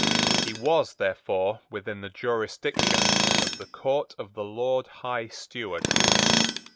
He was therefore within the jurisdiction of the Court of the Lord High Steward.